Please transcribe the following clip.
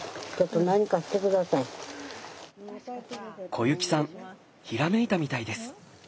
小雪さんひらめいたみたいです。